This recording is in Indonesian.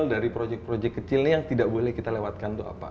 dari proyek proyek kecil yang tidak boleh kita lewatkan itu apa